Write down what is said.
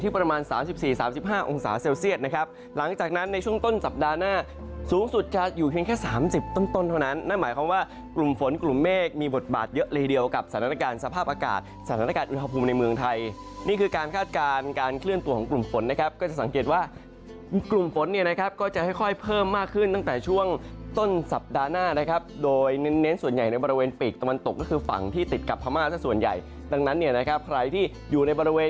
เพราะฉะนั้นนั่นหมายความว่ากลุ่มฝนกลุ่มเมฆมีบทบาทเยอะเลยเดียวกับสถานการณ์สภาพอากาศสถานการณ์อุณหภูมิในเมืองไทยนี่คือการคาดการณ์การเคลื่อนตัวของกลุ่มฝนนะครับก็จะสังเกตว่ากลุ่มฝนเนี่ยนะครับก็จะค่อยเพิ่มมากขึ้นตั้งแต่ช่วงต้นสัปดาห์หน้านะครับโดยเน้นเน้นส่วนใหญ่ในบ